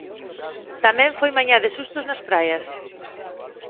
Tamén foi mañá de sustos nas praias.